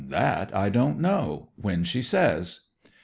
"That I don't know. When she says."